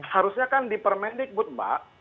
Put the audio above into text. harusnya kan di permendikbud mbak